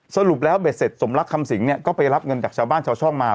สรุปแล้วเบ็ดเสร็จสมรักคำสิงเนี่ยก็ไปรับเงินจากชาวบ้านชาวช่องมา